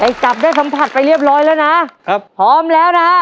จับได้สัมผัสไปเรียบร้อยแล้วนะครับพร้อมแล้วนะฮะ